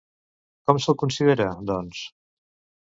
Com se'l considera, doncs?